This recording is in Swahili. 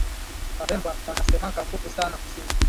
Bahemba banasemaka nguvu sana ku simu